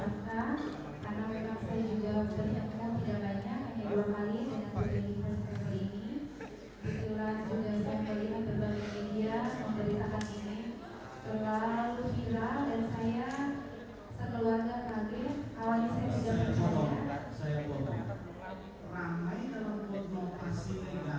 apakah kata kata percayaan pembicaranya atau poin poin yang sudah dititipkan kepada saksi untuk dibicarakan kepada jamanan yang saksi sampaikan itu tidak ada bebasan ya